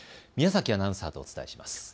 宮崎アナウンサーとお伝えします。